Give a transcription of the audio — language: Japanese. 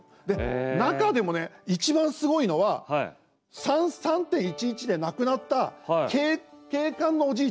中でも、一番すごいのは３・１１で亡くなった警官のおじいちゃん。